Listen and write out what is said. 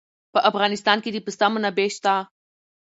په افغانستان کې د پسه منابع شته.